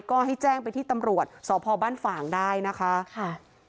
ก็ให้แจ้งไปที่ตำรวจสพบ้านฝ่างได้นะคะค่ะ